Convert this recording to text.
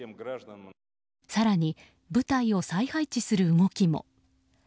更に、部隊を再配置する動きも。